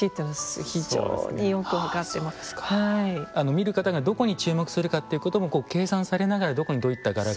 見る方がどこに注目するかっていうことも計算されながらどこにどういった柄が。